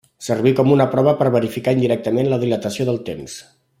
Serví com una prova per verificar indirectament la dilatació del temps.